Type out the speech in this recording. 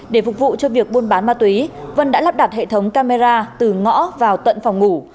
để phục vụ cho việc buôn bán ma túy vân đã lắp đặt hệ thống camera từ ngõ vào tận phòng ngủ